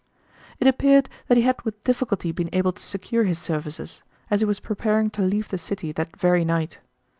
It appeared that he had with difficulty been able to secure his services, as he was preparing to leave the city that very night.